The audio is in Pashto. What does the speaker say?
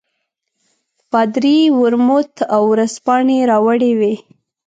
پادري ورموت او ورځپاڼې راوړې وې.